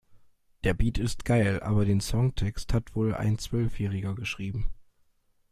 Der Beat ist geil, aber den Songtext hat wohl ein Zwölfjähriger geschrieben.